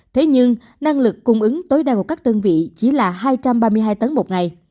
thế nhưng năng lực cung ứng tối đa của các đơn vị chỉ là hai trăm ba mươi hai tấn một ngày